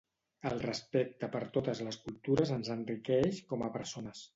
El respecte per totes les cultures ens enriqueix com a persones.